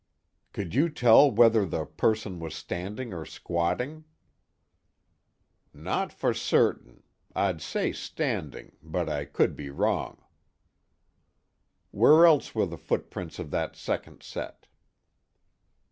"Could you tell whether the person was standing or squatting?" "Not for certain. I'd say standing, but I could be wrong." "Where else were the footprints of that second set?"